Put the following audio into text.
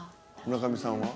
村上さんは？